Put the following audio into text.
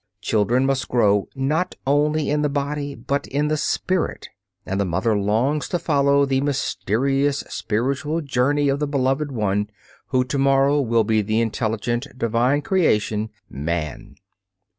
Children must grow not only in the body but in the spirit, and the mother longs to follow the mysterious spiritual journey of the beloved one who to morrow will be the intelligent, divine creation, man.